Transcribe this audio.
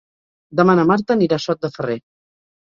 Demà na Marta anirà a Sot de Ferrer.